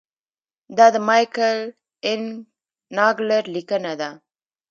دا د مایکل این ناګلر لیکنه ده.